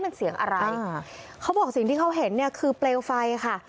มันเสียงอะไรอ่าเขาบอกสิ่งที่เขาเห็นเนี่ยคือเปลวไฟค่ะ